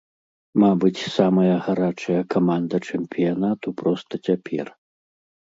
Мабыць, самая гарачая каманда чэмпіянату проста цяпер.